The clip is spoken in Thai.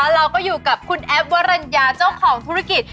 เราก็อยู่กับคุณแอฟวรรณญาเจ้าของธุรกิจ